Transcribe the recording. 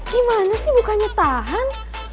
gimana sih bukannya tahan